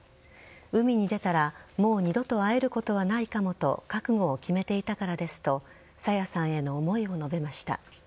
海に出たらもう二度と会えることはないかもと覚悟を決めていたからですと朝芽さんへの思いを述べました。